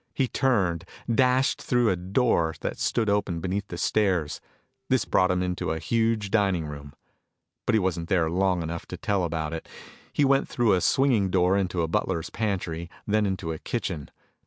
He turned, dashed through a door that stood open beneath the stairs. This brought him into a huge dining room. But he wasn't there long enough to tell about it. He went through a swinging door into a butler's pantry, then into a kitchen.